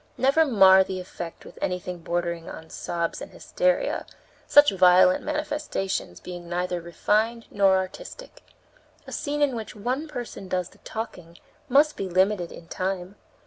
Never mar their effect with anything bordering on sobs and hysteria; such violent manifestations being neither refined nor artistic. A scene in which one person does the talking must be limited in time.